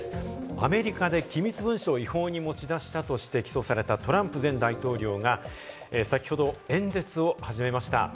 アメリカで機密文書を違法に持ち出したとして起訴されたトランプ前大統領が、先ほど演説を始めました。